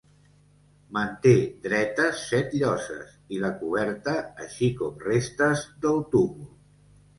Manté dretes set lloses i la coberta, així com restes del túmul.